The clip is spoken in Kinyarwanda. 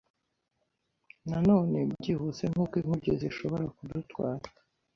na none byihuse nkuko inkuge zishobora kudutwara.